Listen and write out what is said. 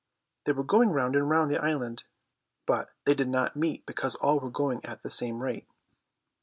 They were going round and round the island, but they did not meet because all were going at the same rate.